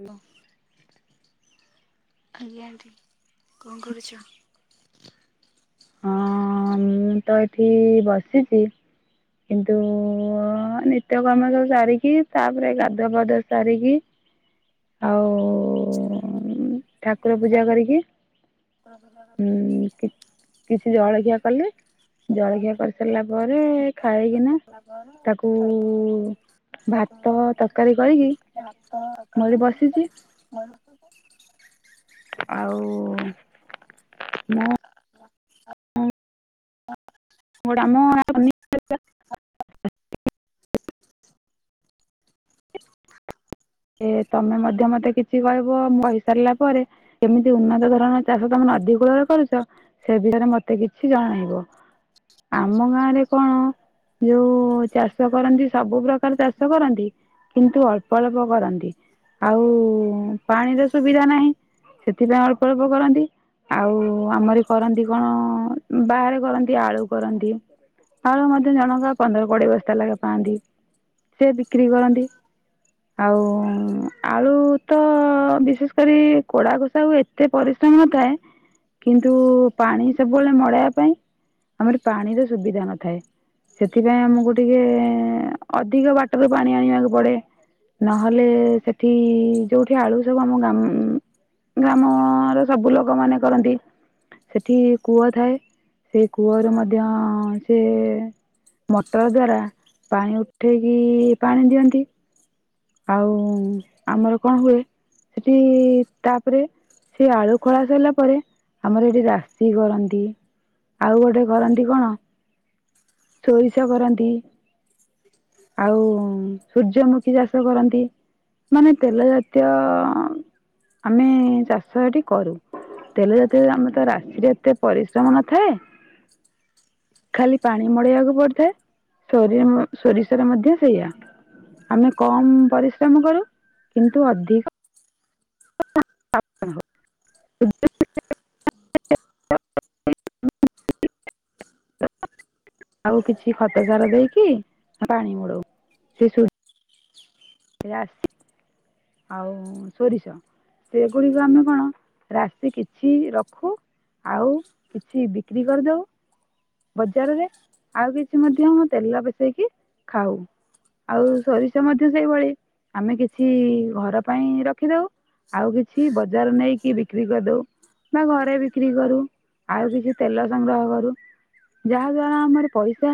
Hello. ଆଜ୍ଞାଠି କଣ କରୁଛ? ହଁ ମୁଁ ତ ଏଠି ବସିଛି। କିନ୍ତୁ ନିତ୍ୟକାମ ସବୁ ସାରିକି ତାପରେ ଗାଧୁଆ ପାଧୁଆ ସାରିକି ହୁଁ [inaudible] ଆଉ ଠାକୁର ପୂଜା କରିକି ଉଁ [unintelligible] କିଛି ଜଳଖିଆ କଲେ ଜଳଖିଆ ସରିଲା କରିସାରିଲା ପରେ ପରେ ଖାଇକିନା ତାକୁ ଖାଇକିନା ତାକୁ ଭାତ ତରକାରୀ କରିକି ଭାତ କ ମୁଁ ଏଠି ବସିଛି ମର ଆଉ ନା ହଁ। ହ। [unintelligible] ଏ ତମେ ମଧ୍ୟ ମୋତେ କିଛି କହିବ ମୁଁ କହିସାରିଲା ପରେ ଏମିତି ଉନ୍ନତ ଧରଣର ଚାଷ ତମେ ନଦୀ କୂଳରେ କରୁଛ। ସେ ବିଷୟରେ ମତେ କିଛି ଜଣେଇବ। ଆମ ଗାଁ ରେ କଣ ଯୋଉ ଚାଷ କରନ୍ତି ସବୁ ପ୍ରକାର ଚାଷ କରନ୍ତି କିନ୍ତୁ ଅଳ୍ପ ଅଳ୍ପ କରନ୍ତି ଆଉ ପାଣିର ସୁବିଧା ନାହିଁ। ସେଥିପାଇଁ ଅଳ୍ପ ଅଳ୍ପ କରନ୍ତି। ଆଉ ଆମରି କରନ୍ତି କଣ ବାହାରେ କରନ୍ତି ଆଳୁ କରନ୍ତି। ଆଉରି ମଧ୍ୟ ଜଣଙ୍କ ପନ୍ଦର କୋଡିଏ ବସ୍ତା ଲାଗା ପାଆନ୍ତି ସିଏ ବିକ୍ରି କରନ୍ତି। ଆଉ ଆଳୁ ତ ତ ବିଶେଷ କରି କୋଡାକୋଶା ଆଉ ଏତେ ପରିଶ୍ରମ ନଥାଏ। କିନ୍ତୁ ପାଣି ସବୁବେଳେ ମଡେଇବା ପାଇଁ ଆମର ପାଣିର ସୁବିଧା ନଥାଏ। ସେଥିପାଇଁ ଆମକୁ ଟିକେ ଅଧିକ ବାଟରୁ ପାଣି ଆଣିବାକୁ ପଡେ। ନହେଲେ ସେଠି ଯୋଉଠି ଆଳୁ ସବୁ ଆମ ଗାମ୍ ଗ୍ରାମ ର ସବୁ ଲୋକ ମାନେ କରନ୍ତି। ସେଠି କୂଅ ଥାଏ ସେ କୂଅରେ ମଧ୍ୟ ସେ ମଟର ଦ୍ୱାରା ପାଣି ଉଠାଇକି ପାଣି ଦିଅନ୍ତି। ଆଉ ଆମର କଣ ହୁଏ ସେଠି ତାପରେ ସେଇ ଆଳୁ ଖଳା ସାରିଲା ପରେ ଆମର ଏଠି ରାଶି କରନ୍ତି। ଆଉ ଗୋଟେ କରନ୍ତି କଣ ସୋରିଷ କରନ୍ତି। ଆଉ ସୂର୍ଯ୍ୟମୁଖୀ ଚାଷ କରନ୍ତି ମାନେ ତେଲ ଜାତୀୟ ଆମେ ଚାଷ ଏଠି କରୁ। ତେଲେ ଯେତେ ବେଳେ ଆମର ତ ରାଶିରେ ଏତେ ପରିଶ୍ରମ ନଥାଏ ଖାଲି ପାଣି ମଡେଇବାକୁ ପଡିଥାଏ। ସୋରିମ ସୋରିଷର ମଧ୍ୟ ସେଇଆ। କମ୍ ପରିଶ୍ରମ କରୁ କିନ୍ତୁ ଅଧିକ [unintelligible] ଆଉ କିଛି ଖତ ସାର ଦେଇକି ପାଣି ମୋଡଉ ସେ ସୁ [unintelligible] ଆଉ ସୋରିଷ ସେଗୁଡିକ ଆମେ କଣ ରାଶି କିଛି ରଖୁ ଆଉ କିଛି ବିକ୍ରି କରିଦେଉ। ବଜାରରେ ଆଉ କିଛି ମଧ୍ୟ, ତେଲ ପେଶେଇକି ଖାଉ। ଆଉ ସୋରିଷ ମଧ୍ୟ ସେଇଭଳି ଆମେ କିଛି- ଘର ପାଇଁ ରଖିଦଉ ଆଉ କିଛି ବଜାର ନେଇକି ବିକ୍ରି କରିଦଉ। ବା ଘରେ ବିକ୍ରି କରୁ, ଆଉ କିଛି ତେଲ ସଂଗ୍ରହ କରୁ। ଯାହା ଦ୍ଵାରା ଆମର ପଇସା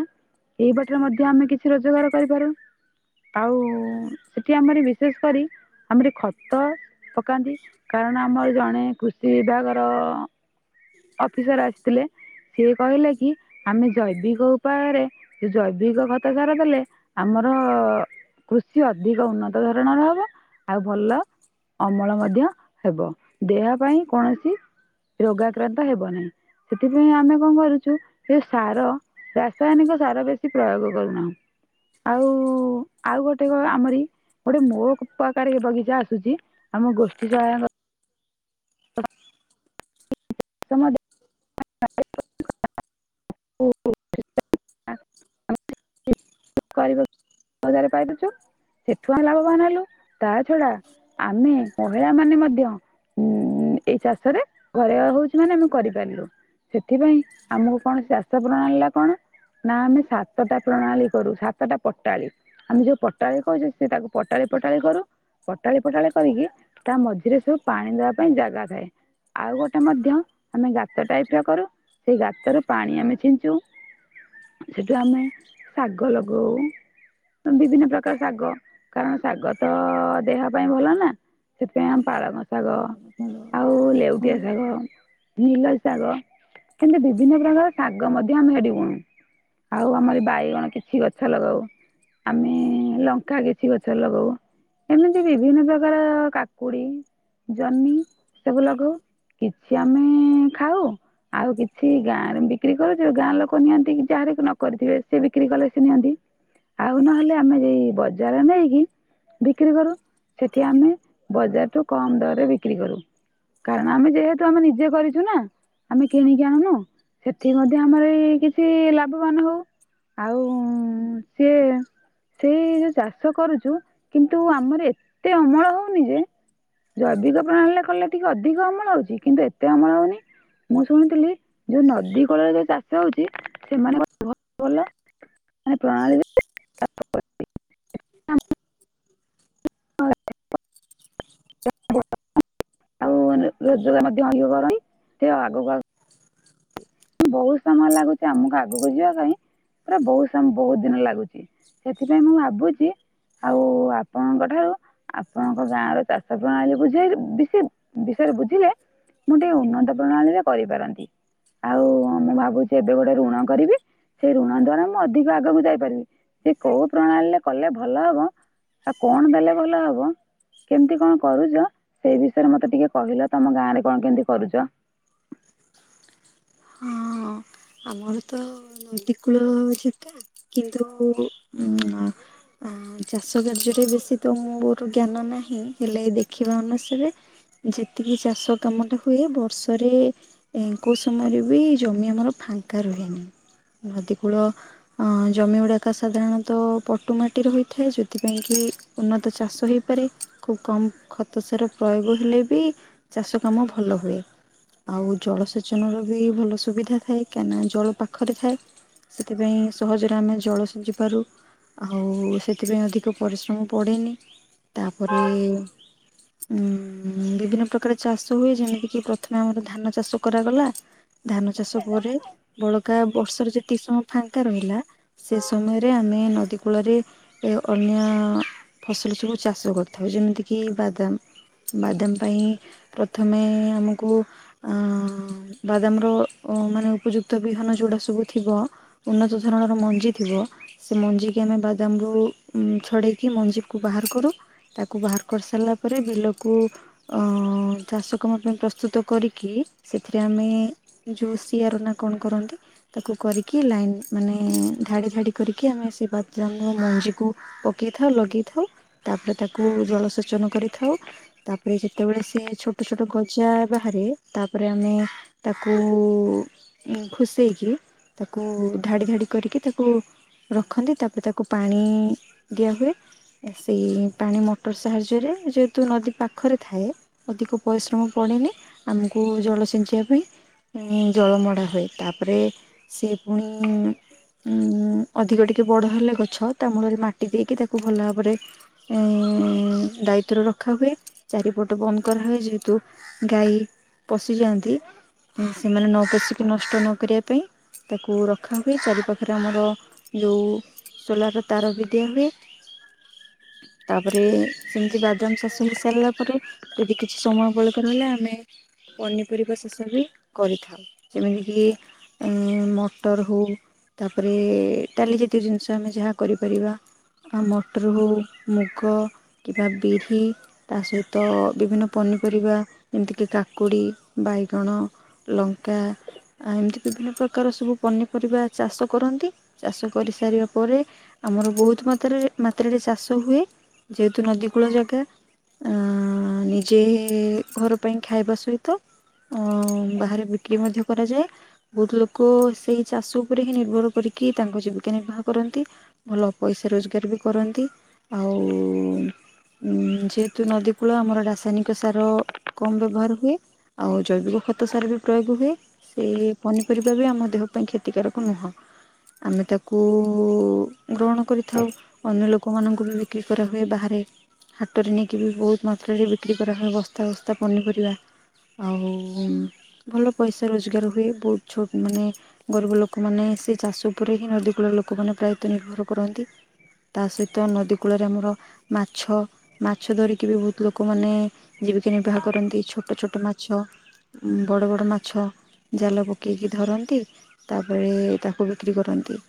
ଏଇ ବାଟରେ ମଧ୍ୟ ଆମେ କିଛି ରୋଜଗାର କରିପାରୁ। ଆଉ, ସେଠି ଆମର ବିଶେଷ କରି ଆମର ଖତ ପକାନ୍ତି, କାରଣ ଆମର ଜଣେ କୃଷି ବିଭାଗର ଅଫିସର ଆସିଥିଲେ ସିଏ କହିଲେ କି, ଆମେ ଜୈବିକ ଉପାୟରେ ସେ ଜୈବିକ ଖତ, ସାର ଦେଲେ ଆମର କୃଷି ଅଧିକ ଉନ୍ନତ ଧରଣର ହବ। ଆଉ ଭଲ ଅମଳ ମଧ୍ୟ ହେବ, ଦେହ ପାଇଁ କୌଣସି ରୋଗାକ୍ରାନ୍ତ ହେବ ନାହିଁ, ସେଥିପାଇଁ ଆମେ କଣ କରୁଛୁ ଏ ସାର ରାସାୟନିକ ସାର ବେଶୀ ପ୍ରୟୋଗ କରୁନାହୁଁ। ଆଉ ଆଉ ଗୋଟେ କ ଆମରି ଗୋଟେ ମୋ କପା ରେ ଏ ବଗିଚା ଆସୁଛି ଆମ ଗୋଷ୍ଠୀ ସହାୟକ ସମ [unintelligible] ଓ। [unintelligible] କରିବା ପରିବାରେ ପାଇଦଛୁ ସେଠୁ ଆମ ଲାଭବାନ ହେଲୁ ତା ଛଡ଼ା ଆମେ ମହିଳାମାନେ ମଧ୍ୟ ଉଁ ଏଇ ଚାଷରେ ଘରେ ହଉଛି ମାନେ ଆମେ କରିପାରିଲୁ। ସେଥିପାଇଁ ଆମକୁ କଣ ଚାଷ ପ୍ରଣାଳୀ ଟା କଣ ନା ଆମେ ସାତଟା ପ୍ରଣାଳୀ କରୁ ସାତଟା ପଟାଳି ଆମେ ଯୋଉ ପଟାଳି କହିଛୁ ସେ ତାକୁ ପଟାଳି ପଟାଳି କରୁ ପଟାଳି ପଟାଳି କରିକି ତା ମଝିରେ ସବୁ ପାଣି ଦବା ପାଇଁ ଜାଗା ଥାଏ। ଆଉ ଗୋଟେ ମଧ୍ୟ ଆମେ ଗାତ ଟାଇପ ର କରୁ। ସେଇ ଗାତ ରୁ ପାଣି ଆମେ ଛିଞ୍ଚୁ ସେଠୁ ଆମେ ଶାଗ ଲଗାଉ। ବିଭିନ୍ନ ପ୍ରକାର ଶାଗ କାରଣ ଶାଗ ତ ଦେହ ପାଇଁ ଭଲ ନା। ସେଥିପାଇଁ ଆମ ପାଳଙ୍ଗ ଶାଗ ହ୍ୟାଲୋ। ଆଉ ଲେଉଟିଆ ଶାଗ, ନିଲ ଶାଗ। କିନ୍ତୁ ସେମତି ବିଭିନ୍ନ ପ୍ରକାର ଶାଗ ମଧ୍ୟ ଆମେ ଏଠି ବୁଣୁ ଆଉ ଆମର ବାଇଗଣ କିଛି ଗଛ ଲଗାଉ ଆମେ ଲଙ୍କା କିଛି ଗଛ ଲଗାଉ। ଏମିତି ବିଭିନ୍ନ ପ୍ରକାର କାକୁଡି, ଜହ୍ନି ସବୁ ଲଗାଉ। କିଛି ଆମେ ଖାଉ। ଆଉ କିଛି ଗାଁ ରେ ବିକ୍ରି କରୁଛୁ ଗାଁ ଲୋକ ନିଅନ୍ତି କି ଯାହାର ନ କରିଥିବେ ସେ ବିକ୍ରି କଲେ ସେ ନିଅନ୍ତି ଆଉ ନହେଲେ ଆମେ ଯ ବଜାର ନେଇକି ବିକ୍ରି କରୁ ସେଠି ଆମେ ବଜାରଠୁ କମ୍ ଦରରେ ବିକ୍ରି କରୁ। କାରଣ ଆମେ ଯେହେତୁ ଆମେ ନିଜେ କରିଛୁ ନା। ଆମେ କିଣିକି ଆଣୁନୁ ସେଥି ମଧ୍ୟ ଆମର ଏଇ କିଛି ଲାଭବାନ ହଉ। ଆଉ ସିଏ [unintelligible] ସେଇ ଯୋଉ ଚାଷ କରୁଚୁ କିନ୍ତୁ ଆମର ଏତେ ଅମଳ ହୋଉନି ଯେ ଜୈବିକ ପ୍ରଣାଳୀରେ କଲେ ଟିକେ ଅଧିକ ଅମଳ ହୋଉଛି କିନ୍ତୁ ଏତେ ଅମଳ ହୋଉନି। ମୁଁ ଶୁଣିଥିଲି ଯୋଉ ନଦୀ କୂଳରେ ଯୋଉ ଚାଷ ହୋଉଛି ସେମାନଙ୍କ [unintelligible] ଭଲ। ସେମାନେ ପ୍ରଣାଳୀରେ ଚାଷ କରନ୍ତି। [unintelligible] [unintelligible] [unintelligible] ବହୁତ ସମୟ ଲାଗୁଚି ଆମକୁ ଆଗକୁ ଯିବା ପାଇଁ ପୁରା ବହୁତ ସମୟ ବହୁତ ଦିନ ଲାଗୁଚି। ସେଥିପାଇଁ ମୁଁ ଭାବୁଛି ଆଉ ଆପଣଙ୍କ ଠାରୁ ଆପଣଙ୍କ ଗାଁ ରୁ ଚାଷ ପ୍ରଣାଳୀ ବୁଝେ ବେଶୀ ବିଷୟରେ ବୁଝିଲେ ମୁଁ ଟିକେ ଉନ୍ନତ ପ୍ରଣାଳୀରେ କରିପାରନ୍ତି। ଆଉ ମୁଁ ଭାବୁଚି ଏବେ ଗୋଟେ ଋଣ କରିବି। ସେଇ ଋଣ ଦ୍ଵାରା ମୁଁ ଅଧିକ ଆଗକୁ ଯାଇପାରିବି ସେ କୋଉ ପ୍ରଣାଳୀରେ କଲେ ଭଲ ହବ ଆଉ କଣ ଦେଲେ ଭଲ ହବ? କେମିତି କଣ କରୁଚ ସେଇ ବିଷୟରେ ମତେ ଟିକେ କହିଲ ତମ ଗାଁ ରେ କଣ କେମିତି କରୁଚ? ହଁ ଆମର ତ ନଦୀ କୂଳ ଯେଗା। କିନ୍ତୁ ଉଁ ମା ଆ ଚାଷ କାର୍ଯ୍ୟରେ ବେଶୀ ତ ମୋର ଜ୍ଞାନ ନାହିଁ ହେଲେ ଦେଖିବା ଅନୁସାରେ ଯେତିକି ଚାଷ କାମ ଟା ହୁଏ ବର୍ଷରେ କୋଶ ଆମର ବି ଜମି ଆମର ଫାଙ୍କା ରୁହେନି ନଦୀ କୂଳ ହଁ ଜମିଗୁଡ଼ାକ ସାଧାରଣତଃ ପଟୁ ମାଟିରେ ହୋଇଥାଏ ସେଥିପାଇଁ କି ଉନ୍ନତ ଚାଷ ହେଇପାରେ ଖୁବ କମ୍ ଖତ ସାର ପ୍ରୟୋଗ ହେଲେ ବି ଚାଷ କାମ ଭଲ ହୁଏ ଆଉ ଜଳସେ ଚନର ବି ଭଲ ସୁବିଧା ଥାଏ କାହିଁନା ଜଳ ପାଖରେ ଥାଏ। ସେଥିପାଇଁ ସହଜରେ ଆମେ ଜଳ ସଞ୍ଚି ପାରୁ। ଆଉ ସେଥିପାଇଁ ଅଧିକ ପରିଶ୍ରମ ପଡ଼େନି ତାପରେ ଉଁ ବିଭିନ୍ନ ପ୍ରକାର ଚାଷ ହୁଏ ଯେମିତି କିି ପ୍ରଥମେ ଆମର ଧାନ ଚାଷ କରାଗଲା ଧାନ ଚାଷ ପରେ ବଳକା ବର୍ଷରେ ଯେତିକି ସମୟ ଫାଙ୍କା ରହିଲା ସେ ସମୟରେ ଆମେ ନଦୀ କୂଳରେ ଏ ଅନ୍ୟ ଫସଲ ସବୁ ଚାଷ କରିଥାଉ ଯେମିତିକି ବାଦାମ ବାଦାମ ପାଇଁ ପ୍ରଥମେ ଆମକୁ ଆ ବାଦାମର ମାନେ ଉପଯୁକ୍ତ ବିହନ ଜୋଉଟା ସବୁ ଥିବ। ଉନ୍ନତ ଧରଣର ମଞ୍ଜି ଥିବ। ସେ ମଞ୍ଜିିକି ଆମେ ବାଦାମରୁ ଛଡ଼େଇକି ମଞ୍ଜିକୁ ବାହାର କରୁ। ତାକୁ ବାହାର କରିସାରିଲା ପରେ ବିଲକୁ ଅ ଚାଷ କାମ ପାଇଁ ପ୍ରସ୍ତୁତ କରିକି ସେଥିରେ ଆମେ ଯୋଉ ସିଆର ନା କଣ କରନ୍ତି? ତାକୁ କରିକି ଲାଇନ ମାନେ ଧାଡି ଧାଡି କରିକି ଆମେ ସେଇ ବାଦାମ ମଞ୍ଜିକୁ ପକେଇଥାଉ ଲଗେଇଥାଉ ତାପରେ ତାକୁ ଜଳସେଚନ କରିଥାଉ। ତାପରେ ଯେତେବେଳେ ସେ ଛୋଟ ଛୋଟ ଗଜା ବାହାରେ ତା ତାପରେ ଆମେ ତାକୁ ଉଁ ଖୋସେଇକି ତାକୁ ଧାଡ଼ି ଧାଡ଼ି କରିକି ତାକୁ ରଖନ୍ତି ତାପରେ ତାକୁ ପାଣି ଦିଆହୁଏ। ସେଇ ପାଣି ମଟର ସାହାଯ୍ୟରେ ଯେହେତୁ ନଦୀ ପାଖରେ ଥାଏ ଅଧିକ ପରିଶ୍ରମ ପଡେନି। କୁ ଜଳସିଞ୍ଚିବା ପାଇଁ ଜଳ ମଡ଼ା ହୁଏ ତାପରେ ସିଏ ପୁଣି ଉଁ ଅଧିକ ଟିକେ ବଡ ହେଲେ ଗଛ ତା ମୂଳରେ ମାଟି ଦେଇକି ତାକୁ ଭଲ ଭାବରେ ଏ ଦାୟିତ୍ୟରେ ରଖାହୁଏ ଚାରିପଟ ବନ୍ଦ କରାହୁଏ ଯେହେତୁ ଗାଈ ପଶିଯାଆନ୍ତି ସେମାନେ ନ ପସିକି ନଷ୍ଟ ନ କରିବା ପାଇଁ ତାକୁ ରଖାହୁଏ ଚାରିପାଖରେ ଆମର ଯେଉଁ ସୋଲାରର ତାର ବି ଦିଆ ହୁଏ। ତାପରେ ସେମିତି ବାଦାମ ଶସୁ ସାରିଲା ପରେ ଯଦି କିଛି ସମୟ ବଳକାର ରହଲେ ଆମେ ପନିପରିବା ଶେଷରେ କରିଥାଉ। ଯେମିତି କିି ମଟର ହଉ ତାପରେ ଡାଲି ଜାତୀୟ ଜିନିଷ ଆମେ ଯାହା କରିପାରିବା। ଆ ମଟର ହେଉ ମୁଗ କିମ୍ବା ବିରି ତା ସହିତ ବିଭିନ୍ନ ପନିପରିବା ଏମିତି କି କା କାକୁଡ଼ି ବାଇଗଣ ଲଙ୍କା ଆ ଏମିତି ବିଭିନ୍ନ ପ୍ରକାର ସବୁ ପନିପରିବା ଚାଷ କରନ୍ତି। ଚାଷ କରିସାରିବା ପରେ ଆମର ବହୁତ ମାତ୍ରାରେ ମାତ୍ରାରେ ଚାଷ ହୁଏ। ଯେହେତୁ ନଦୀ କୂଳ ଜାଗା ଅ ନିଜେ ଘରକୁ ପାଇଁ ଖାଇବା ସହିତ ଉଁ ବାହାରେ ବିକି ମଧ୍ୟ କରାଯାଏ ବହୁତ ଲୋକ ସେଇ ଚାଷ ଉପରେ ହିଁ ନିର୍ଭର କରିକି ତାଙ୍କ ଜୀବିକା ନିର୍ବାହ କରନ୍ତି। ଭଲ ପଇସା ରୋଜଗାର ବି କରନ୍ତି ଆଉ। ଯେହେତୁ ନଦୀ କୂଳ ଆମର ରାସାୟନିକ ସାର କମ୍ ବ୍ୟବହାର ହୁଏ। ଆଉ ଜୈବିକ ଖତ ସାରା ବି ପ୍ରୟୋଗ ହୁଏ। ସେ ପନିପରିବା ବି ଆମ ଦେହ ପାଇଁ କ୍ଷତିକାରକ ନୁହଁ। ଆମେ ତାକୁ ଗ୍ରହଣ କରିଥାଉ ଅନ୍ୟ ଲୋକ ଲୋକମାନଙ୍କୁଠ ବିକ୍ରି କରାହୁଏ ବାହାରେ ହାଟରେ ନେଇକି ବି ବହୁତ ମାତ୍ରାରେ ବିକ୍ରି କରାହୁୁଏ ବସ୍ତା ବସ୍ତା ପନିପରିବା। ଆଉ ଭଲ ପଇସା ରୋଜଗାର ହୁଏ ବହୁତ ଛୋଟ ମାନେ ଗରିବ ଲୋକମାନେ ସେ ଚାଷ ଉପରେ ହିଁ ନଦୀ କୂଳର ଲୋକମାନେ ପ୍ରାୟତଃ ନିର୍ଭର କରନ୍ତି। ତା ସହିତ ନଦୀ କୂଳରେ ଆମର ମାଛ ମାଛ ଧରିକି ବି ବହୁତ ଲୋକମାନେ ଜୀବିକା ନିର୍ବାହ କରନ୍ତି ଛୋଟ ଛୋଟ ମାଛ। ବଡ଼ ବଡ଼ ମାଛ ଜାଲ ପକାଇକି ଧରନ୍ତି। ତା ପରେ ତାକୁ ବିକ୍ରି କରନ୍ତି।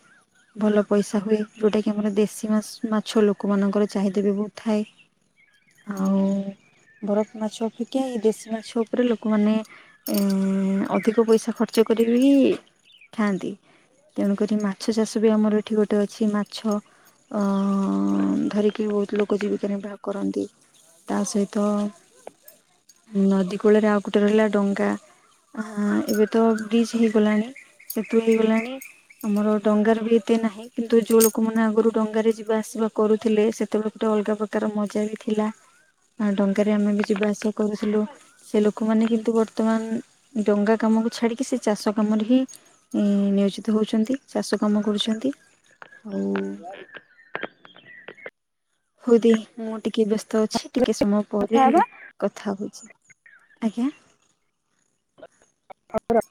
ଭଲ ପଇସା ହୁଏ ଯଉଟା କିି ଆମର ଦେଶୀ ମା ମାଛ ଲୋକମାନଙ୍କର ଚାହିଦା ବି ବହୁତ ଥାଏ। ଆଉ ବରଫ ମାଛ ଅପେକ୍ଷା ଦେଶୀ ମାଛ ଉପରେ ଲୋକମାନେ ଅଧିକ ପଇସା ଖର୍ଚ୍ଚ କରିକି ଖାଆନ୍ତି ତେଣୁକରି ମାଛ ଚାଷ ବି ଆମର ଏଠି ଗୋଟେ ଅଛି ମାଛ ଅ ଧରିକି ବହୁତ ଲୋକ ଜୀବିକା ନିର୍ବାହ କରନ୍ତି। ତା ସହିତ ନଦୀ କୂଳରେ ଆଉ ଗୋଟେ ରହିଲା ଡଙ୍ଗା ହ ଏବେ ତ ବ୍ରିଜ୍ ହେଇଗଲାଣି ସେତୁ ହେଇଗଲାଣି। ଆମର ଡଙ୍ଗାର ବି ଏତେ ନାହିଁ କିନ୍ତୁ ଯୋଉ ଲୋକମାନୋନେ ଆଗରୁ ଡଙ୍ଗ ରେ ଯିବା ଆସିବା କରୁଥିଲେ ସେତେବେଳେ ଗୋଟେ ଅଲଗା ପ୍ରକାର ମଜା ବି ଥିଲା ଡଙ୍ଗାରେ ଆମେ ବି ଯିବା ଆସିବା କରୁଥିଲୁ। ସେ ଲୋକମାନେ କିନ୍ତୁ ବର୍ତ୍ତମାନ ଡଙ୍ଗା କାମକୁ ଛାଡିକି ସେ ଚାଷ କାମରେ ହିଁ ନିୟୋଜିତ ହେଉଛନ୍ତି ଚାଷ କାମ କରୁଛନ୍ତି ଆଉ। ହଉଦି ମୁଁ ଟିକେ ବ୍ୟସ୍ତ ଅଛି ଟିକେ ସମୟ କଥା ପରେ ହେବା କଥା ହଉଛି। ଆଜ୍ଞା। [unintelligible]